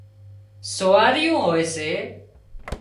سواريون هوئي سي